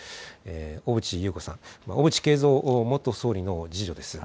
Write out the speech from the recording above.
小渕優子さん、小渕恵三元総理の次女です。